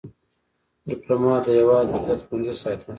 ډيپلومات د هیواد عزت خوندي ساتي.